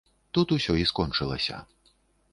Тут усё і скончылася.